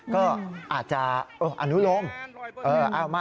ก็อาจจะอนุโลม